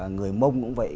người mông cũng vậy